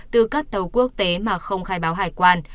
từ các tàu quốc tế mà không khai báo hải quan